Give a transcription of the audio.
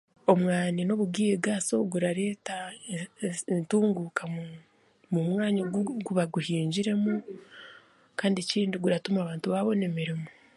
Omwani n'obugaiga so gurareeta e ense entunguuka omu mwanya ogu baguhingiremu kandi ekindi kiratuma abantu baabona emirimo